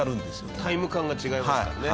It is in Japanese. タイム感が違いますからね。